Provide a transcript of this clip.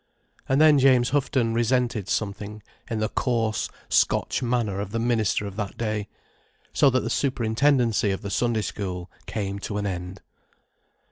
And then James Houghton resented something in the coarse Scotch manner of the minister of that day. So that the superintendency of the Sunday School came to an end.